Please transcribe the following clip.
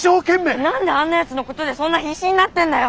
何であんなやつのことでそんな必死になってんだよ！